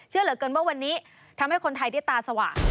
เชื่อเหลือเกินว่าวันนี้ทำให้คนไทยได้ตาสว่าง